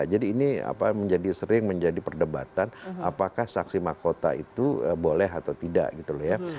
jadi ini apa menjadi sering menjadi perdebatan apakah saksi makota itu boleh atau tidak gitu loh ya